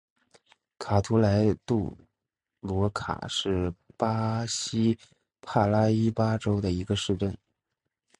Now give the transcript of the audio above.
卡图莱杜罗卡是巴西帕拉伊巴州的一个市镇。